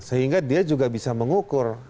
sehingga dia juga bisa mengukur